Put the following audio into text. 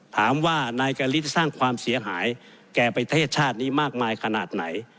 ถามว่านายกะลิดสร้างความเสียหายแก่ประเทศชาตินี้มากมายขนาดไหน